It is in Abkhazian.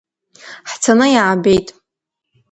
Ҳцаны иаабеит.